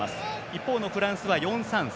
一方のフランスは４−３−３。